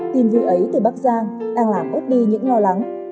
tin vi ấy từ bác giang đang làm ốt đi những lo lắng